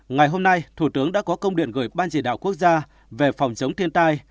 ngày hôm nay thủ tướng đã có công điện gửi ban chỉ đạo quốc gia về phòng chống thiên tai